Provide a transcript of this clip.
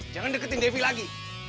jangan deketin devi lagi